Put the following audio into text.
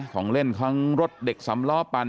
ของเล่นทั้งรถเด็กสำล้อปั่น